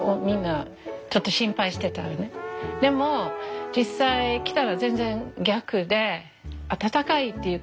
でも実際来たら全然逆で温かいっていう感じ。